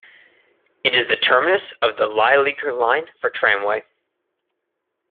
It is the terminus of the Lilleaker Line for tramway.